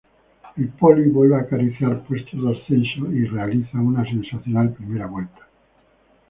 El Poli vuelve a acariciar puestos de ascenso y realiza una sensacional primera vuelta.